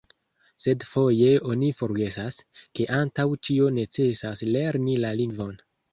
Sed foje oni forgesas, ke antaŭ ĉio necesas lerni la lingvon.